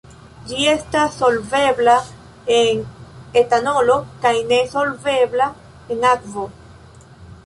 Ĝi estas solvebla en etanolo kaj ne solvebla en akvo.